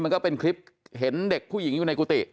ก็เป็นคลิปเห็นเด็กผู้หญิงอยู่ในกุฏิ